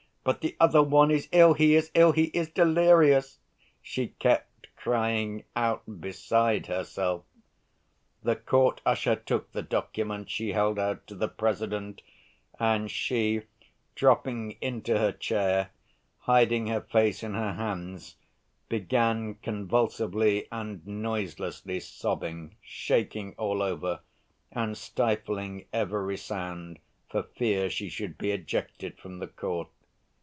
But the other one is ill, he is ill, he is delirious!" she kept crying out, beside herself. The court usher took the document she held out to the President, and she, dropping into her chair, hiding her face in her hands, began convulsively and noiselessly sobbing, shaking all over, and stifling every sound for fear she should be ejected from the court.